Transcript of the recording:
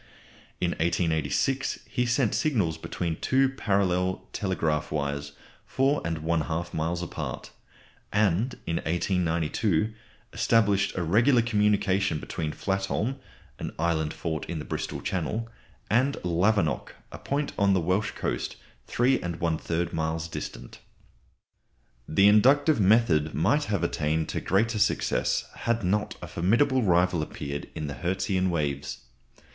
In 1886 he sent signals between two parallel telegraph wires 4 1/2 miles apart. And in 1892 established a regular communication between Flatholm, an island fort in the Bristol Channel, and Lavernock, a point on the Welsh coast 3 1/3 miles distant. The inductive method might have attained to greater successes had not a formidable rival appeared in the Hertzian waves.